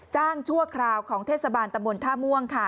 จ้างชั่วคราวของเทศสบานตำนวนท่าม่วงค่ะ